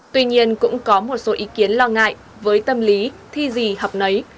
tuy nhiên cũng có một số ý kiến lo ngại với tâm lý thi gì học nấy